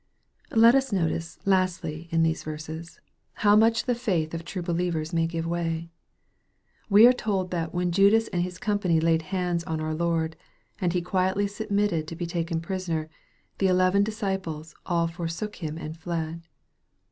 Let us notice, lastly, in these verses, how much the faith of true believers may give way. We are told that when Judas and his company laid hands on our Lord, and He quietly submitted to be taken prisoner, the eleven disciples " all forsook Him and fled."